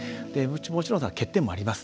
もちろん、欠点もあります。